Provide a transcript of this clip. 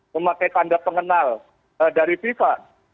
memakai tanda pengenal dari fifa